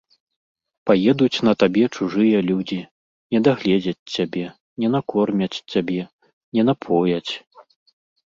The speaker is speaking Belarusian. Паедуць на табе чужыя людзі, не дагледзяць цябе, не накормяць цябе, не напояць.